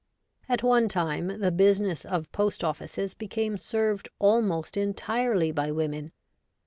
At one time the business of post offices became served almost entirely by women.